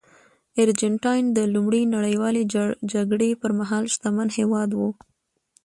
ارجنټاین د لومړۍ نړیوالې جګړې پرمهال شتمن هېواد و.